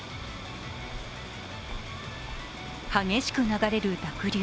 激しく流れる濁流。